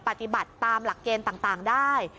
ปฏิบัติตามหลักเกณฑ์ต่างได้